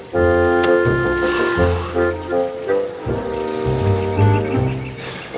yang cerdas sebenernya